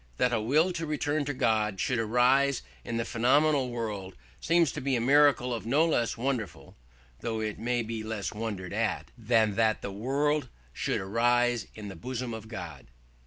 "That a will to return to God should arise in the phenomenal world seems to be a miracle no less wonderful (though it be less wondered at) than that the world should arise in the bosom of God."